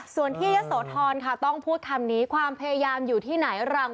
ส่วนที่ยะโสธรค่ะต้องพูดคำนี้ความพยายามอยู่ที่ไหนรัง